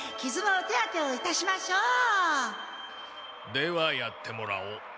ではやってもらおう。